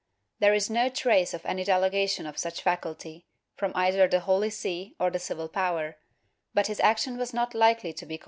There is no trace of any delegation of such faculty, from either the Holy See or the civil power, but his action was not likely to be called ' Nueva Recop.